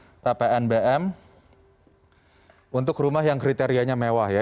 ada batasan threshold ppnbm untuk rumah yang kriterianya mewah ya